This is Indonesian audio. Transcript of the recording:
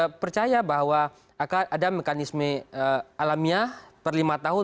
kita percaya bahwa akan ada mekanisme alamiah per lima tahun